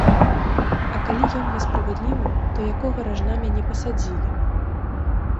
А калі ён несправядлівы, то якога ражна мяне пасадзілі?